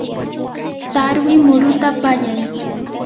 tarwi muruta pallay.